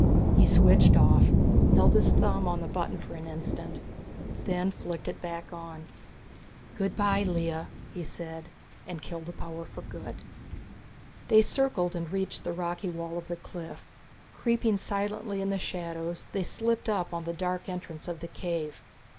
He switched off, held his thumb on the button for an instant, then flicked it back on. "Good by Lea," he said, and killed the power for good. They circled and reached the rocky wall of the cliff. Creeping silently in the shadows, they slipped up on the dark entrance of the cave.